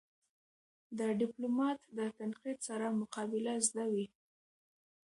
د ډيپلومات د تنقید سره مقابله زده وي.